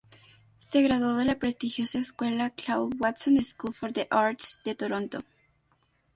Se graduó de la prestigiosa escuela "Claude Watson School for the Arts" de Toronto.